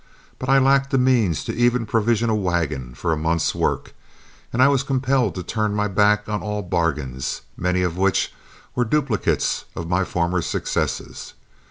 But I lacked the means to even provision a wagon for a month's work, and I was compelled to turn my back on all bargains, many of which were duplicates of my former successes.